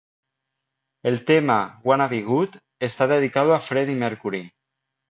El tema ¨Wanna Be God¨ está dedicado a Freddie Mercury.